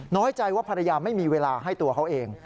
น้อยใจว่าภรรยาไม่มีเวลาให้ตัวเขาเอง